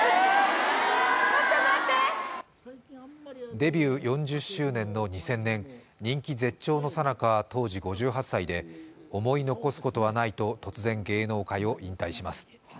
デビュー４０周年の２０００年人気絶頂のさなか当時５８歳で思い残すことはないと、突然芸能界を引退します。